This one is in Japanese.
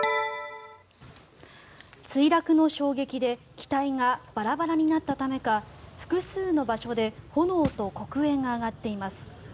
墜落の衝撃で機体がバラバラになったためか複数の場所で炎と黒煙が上がっています。